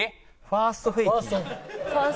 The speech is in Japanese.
ファーストフェイキー？